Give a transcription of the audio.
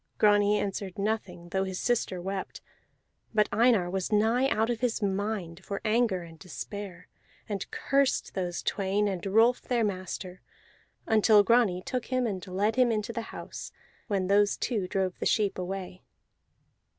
Grani answered nothing, though his sister wept; but Einar was nigh out of his mind for anger and despair, and cursed those twain, and Rolf their master, until Grani took him and led him into the house, when those two drove the sheep away.